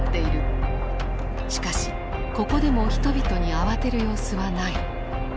しかしここでも人々に慌てる様子はない。